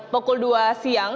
pukul dua siang